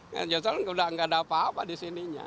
jangan salah gak ada apa apa di sininya